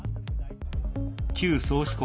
旧宗主国